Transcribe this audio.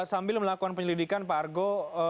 sambil melakukan penyelidikan pak argo